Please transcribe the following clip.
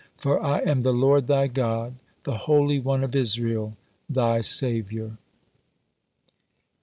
For I am the Lord thy God, the Holy One of Israel, thy Saviour."